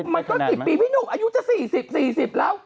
มันก็๑๐ปีพี่หนุ่มอายุจะ๔๐๔๐แล้ว